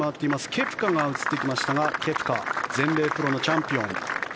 ケプカが映ってきましたがケプカ全米プロのチャンピオン。